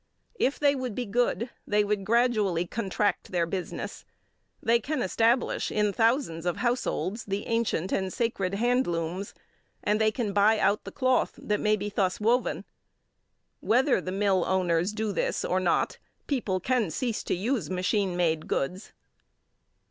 If they would be good, they would gradually contract their business. They can establish in thousands of households the ancient and sacred handlooms, and they can buy out the cloth that may be thus woven. Whether the mill owners do this or not, people can cease to use machine made goods.